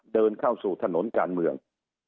เดินเข้าสู่ถนนการเมือง